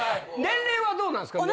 年齢はどうなんですか？